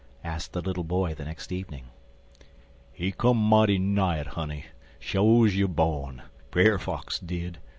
asked the little boy the next evening. "He come mighty nigh it, honey, sho's you born Brer Fox did.